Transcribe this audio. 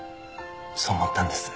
そう思ったんです。